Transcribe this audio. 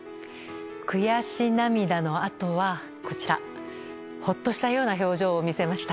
悔し涙のあとはほっとしたような表情を見せました。